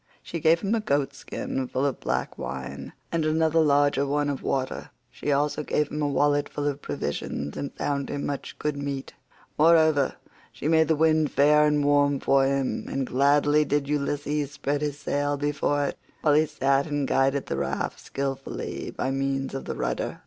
She gave him a goat skin full of black wine, and another larger one of water; she also gave him a wallet full of provisions, and found him in much good meat. Moreover, she made the wind fair and warm for him, and gladly did Ulysses spread his sail before it, while he sat and guided the raft skilfully by means of the rudder.